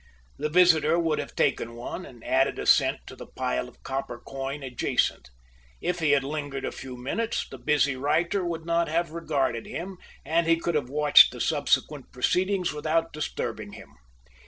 The visitor would have taken one and added a cent to the pile of copper coin adjacent. If he had lingered a few minutes, the busy writer would not have regarded him, and he could have watched the subsequent proceedings without disturbing him.